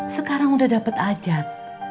sekarang udah dapet ajat